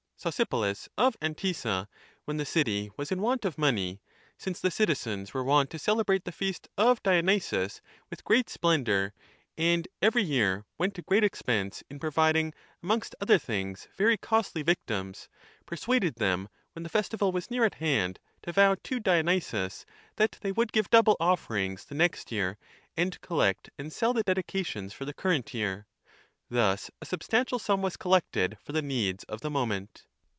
^5 Sosipolis of Antissa, when the city was in want of money, since the citizens were wont to celebrate the feast of Dionysus with great splendour and every year went to great expense in providing, amongst other things, very costly victims, persuaded them, when the festival was near at hand, to vow to Dionysus that they would give double offerings 30 the next year and collect and sell the dedications for the current year. Thus a substantial sum was collected for the needs of the moment.